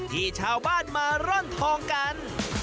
ที่ชาวบ้านมาร่อนทองกัน